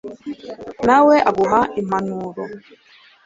nawe aguhe impanuro